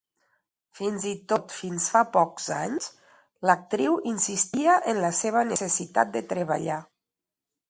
Fins i tot fins fa pocs anys l'actriu insistia en la seva necessitat de treballar.